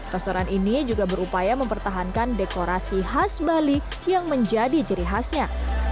restoran ini juga berupaya mempertahankan dekorasi khas bali yang menjadi ciri khasnya